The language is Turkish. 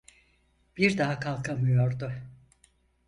Bir daha kalkamıyordu…